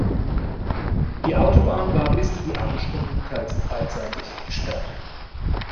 Die Autobahn war bis in die Abendstunden teils beidseitig gesperrt.